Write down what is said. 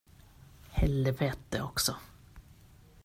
Helvete också!